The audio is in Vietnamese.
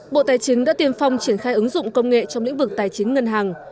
bộ tài chính đã tiên phong triển khai ứng dụng công nghệ trong lĩnh vực tài chính ngân hàng